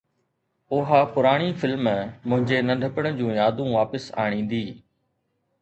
اها پراڻي فلم منهنجي ننڍپڻ جون يادون واپس آڻيندي